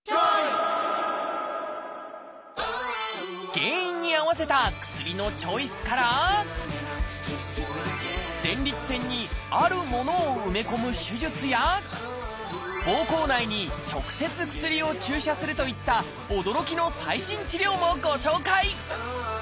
原因に合わせた薬のチョイスから前立腺にあるものを埋め込む手術やぼうこう内に直接薬を注射するといった驚きの最新治療もご紹介。